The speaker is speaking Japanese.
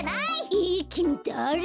ええっきみだれ？